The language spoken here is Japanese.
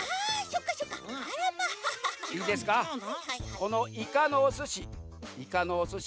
この「いかのおすし」いかのおすし